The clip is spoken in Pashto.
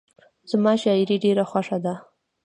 زما شاعري ډېره خوښه ده.